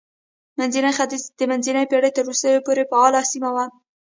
منځنی ختیځ د منځنۍ پېړۍ تر وروستیو پورې فعاله سیمه وه.